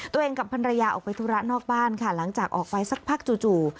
กับภรรยาออกไปธุระนอกบ้านค่ะหลังจากออกไปสักพักจู่